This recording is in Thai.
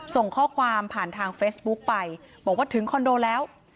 ส่งข้อความผ่านทางเฟซบุ๊กไปบอกว่าถึงคอนโดแล้ว